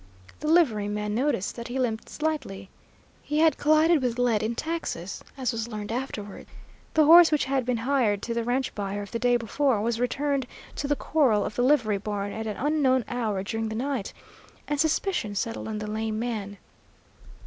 The liveryman noticed that he limped slightly. He had collided with lead in Texas, as was learned afterward. The horse which had been hired to the ranch buyer of the day before was returned to the corral of the livery barn at an unknown hour during the night, and suspicion settled on the lame man.